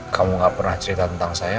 kamu gak pernah cerita tentang saya